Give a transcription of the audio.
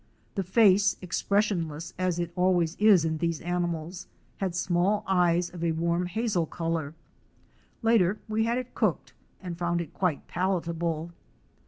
The face, expres sionless as it always is in these animals, had small eyes of a warm hazel color. Later we had it cooked and found it quite palatable.